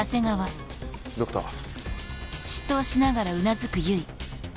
ドクター？